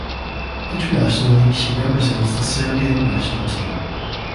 Internationally she represents the Serbian national team.